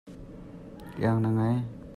Na lahkhah an in kaih cang maw?